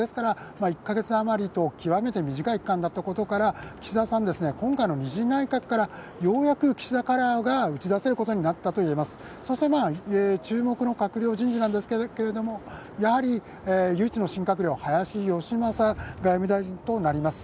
１カ月あまりと極めて短い期間だったことから、岸田さん、今回の２次内閣からようやく岸田カラーが打ち出せることになったといえます、そして注目の閣僚人事なんですけれども、唯一の新閣僚、林芳正外務大臣となります。